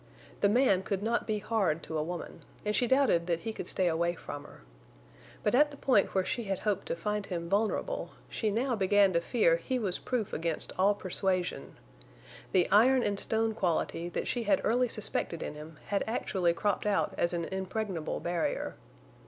The man could not be hard to a woman, and she doubted that he could stay away from her. But at the point where she had hoped to find him vulnerable she now began to fear he was proof against all persuasion. The iron and stone quality that she had early suspected in him had actually cropped out as an impregnable barrier.